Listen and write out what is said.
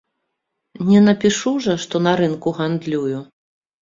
Не напішу жа, што на рынку гандлюю.